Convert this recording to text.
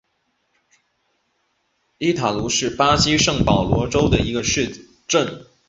伊塔茹是巴西圣保罗州的一个市镇。